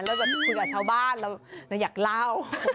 เราจะคุยกับชาวบ้านเราอยากเล่า